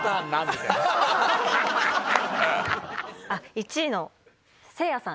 １位のせいやさん